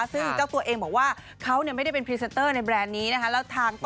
ซึ่งเจ้าตัวเองบอกว่าเขาไม่ได้เป็นพรีเซนเตอร์ในแบรนด์นี้นะคะ